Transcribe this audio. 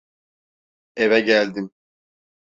Eve geldim.